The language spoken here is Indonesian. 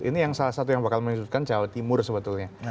ini yang salah satu yang bakal menyurutkan jawa timur sebetulnya